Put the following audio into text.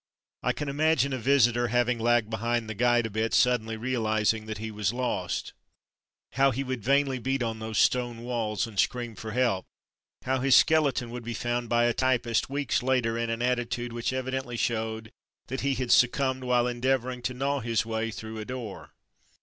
I can imagine a visitor, having lagged behind the guide a bit, suddenly realizing that he was lost! How he would vainly beat on those stone walls and scream for help — how his skeleton would be found by a typist, weeks later, in an attitude which evidently showed that he had succumbed while endeavouring to gnaw his way through a door.